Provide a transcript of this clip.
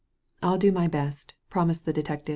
*' "I'll do my best," promised the detective.